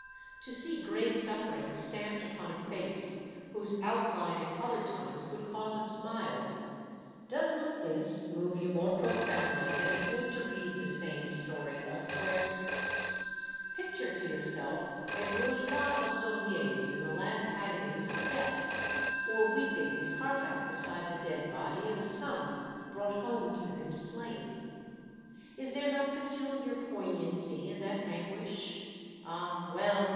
To see great suffering stamped upon a face whose outline at other times would cause a smile, does not this move you more profoundly than it would to read the same story elsewhere? Picture to yourself a bourgeois of Daumier's in the last agonies of death, or weeping his heart out beside the dead body of a son lOO Monday Tales, brought home to him slain. Is there not pecuHar poignancy in that anguish? Ah, well!